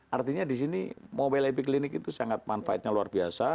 artinya di sini mobile epic clinic itu sangat manfaatnya luar biasa